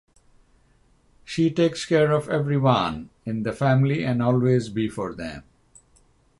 She takes care of everyone in the family and always be for them.